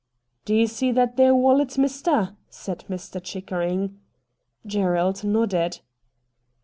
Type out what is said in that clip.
'D'ye see that there wallet, mister?' said Mr. Chickering. Gerald nodded.